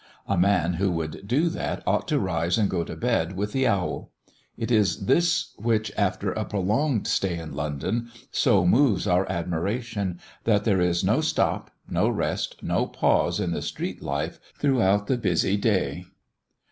A man who would do that ought to rise and go to bed with the owl. It is this which, after a prolonged stay in London so moves our admiration, that there is no stop, no rest, no pause in the street life throughout the busy day.